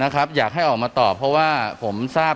อยากให้ออกมาตอบเพราะว่าผมทราบ